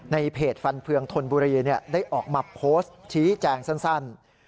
ในเพจฟันเฟืองธนบุรีได้ออกมาโพสต์ชี้แจงสั้น